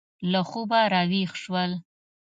له خوبه را ویښ شول.